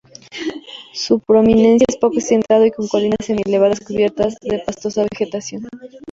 Su prominencia es poco accidentado y con colinas semi-elevadas cubiertas de pastosa vegetación.